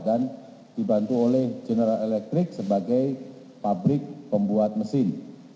dan dibantu oleh general electric sebagai pabrik pembuat mesin